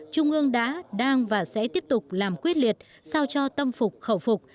trung ương đã đang và sẽ tiếp tục làm quyết liệt sao cho tâm phục khẩu phục